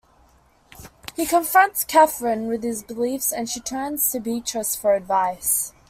He confronts Catherine with his beliefs and she turns to Beatrice for advice.